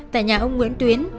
tại nhà ông nguyễn tuyến